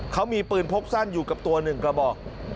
เขามีปืนพกสั้นอยู่กับตัว๑กระบอก